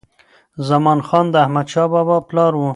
زمان خان د احمدشاه بابا پلار و.